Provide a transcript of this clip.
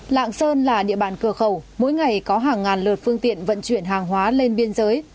lạng sơn là địa bàn cờ khẩu mỗi ngày có hàng ngàn lượt phương tiện vận chuyển hàng hóa lên biên giới